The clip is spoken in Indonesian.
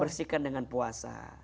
bersihkan dengan puasa